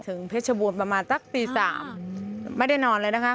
เพชรบูรณ์ประมาณสักตี๓ไม่ได้นอนเลยนะคะ